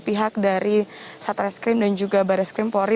pihak dari satreskrim dan juga barreskrim polri